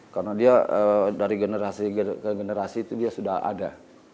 karena dia dari generasi ke generasi itu dia sudah ada